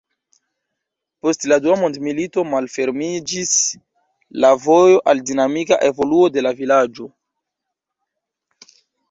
Post la dua mondmilito malfermiĝis la vojo al dinamika evoluo de la vilaĝo.